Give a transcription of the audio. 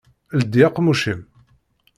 Ldi aqemmuc-im!